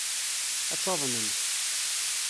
Ad taḍnemt.